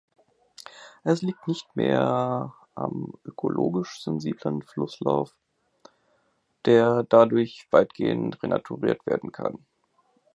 Es liegt nicht mehr am ökologisch sensiblen Flusslauf, der dadurch weitgehend renaturiert werden kann.